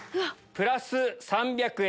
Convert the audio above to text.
プラス３００円